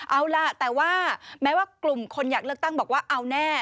เอาล่ะแต่ว่าแม้ว่ากลุ่มคนอยากเลือกตั้งบอกว่าเอาแน่